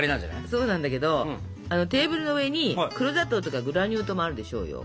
そうなんだけどテーブルの上に黒砂糖とかグラニュー糖もあるでしょうよ？